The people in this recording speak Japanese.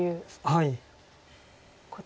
はい。